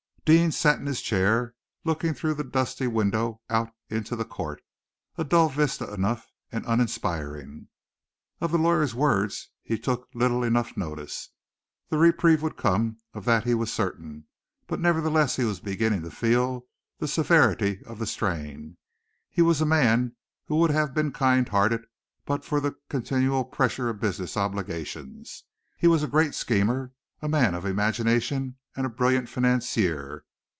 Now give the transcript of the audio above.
Deane sat in his chair, looking through the dusty window out into the court, a dull vista enough, and uninspiring. Of the lawyer's words he took little enough notice. The reprieve would come, of that he was certain, but nevertheless he was beginning to feel the severity of the strain. He was a man who would have been kind hearted but for the continual pressure of business obligations. He was a great schemer, a man of imagination, and a brilliant financier.